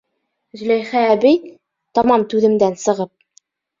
Зөләйха әбей, тамам түҙемдән сығып: